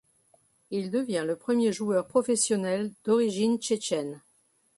Il devient le premier joueur professionnel d'origine tchétchène.